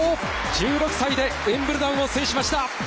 １６歳でウィンブルドンを制しました！